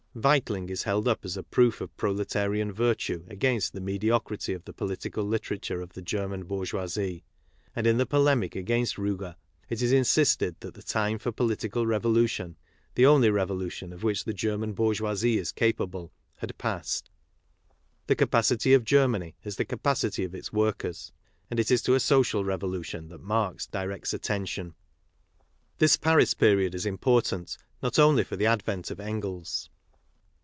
Weitling is held up as proof of proletarian virtue against the mediocrity of the political literature of the German bourgeoisie. And in the polemic against Riige it is insisted that thei time for political revolution, the only revolution of which! the German bourgeoisie is capable, had passed; thel capacity of Germany is the capacity of its workers, and ' it is to a social revolution that Marx directs attention, j This Paris period is important not only for the advent of Engels.